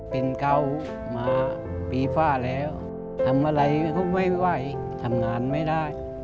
เป็นเขามาปีฝ้าแล้วทำอะไรเขาไม่ไหวทำงานไม่ได้